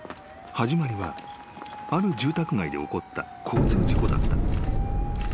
［始まりはある住宅街で起こった交通事故だった］